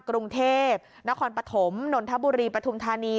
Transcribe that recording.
กรุงเทพนครปฐมนนทบุรีปฐุมธานี